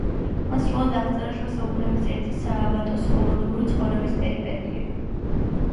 მან სრულად აღწერა შუა საუკუნეების ერთი სააბატოს ყოველდღიური ცხოვრების პერიპეტიები.